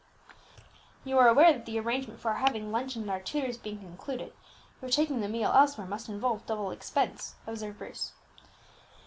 "You are aware that the arrangement for our having luncheon at our tutor's being concluded, your taking the meal elsewhere must involve double expense," observed Bruce.